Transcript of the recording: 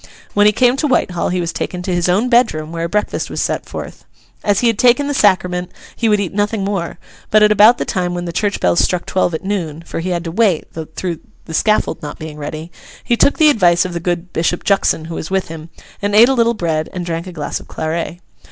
When he came to Whitehall, he was taken to his own bedroom, where a breakfast was set forth. As he had taken the Sacrament, he would eat nothing more; but, at about the time when the church bells struck twelve at noon (for he had to wait, through the scaffold not being ready), he took the advice of the good Bishop Juxon who was with him, and ate a little bread and drank a glass of claret.